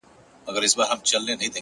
که غچيدله زنده گي په هغه ورځ درځم،